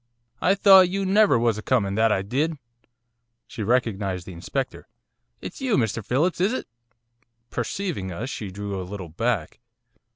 I thought you never was a comin' that I did.' She recognised the Inspector. 'It's you, Mr Phillips, is it?' Perceiving us, she drew a little back.